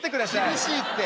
「厳しいって。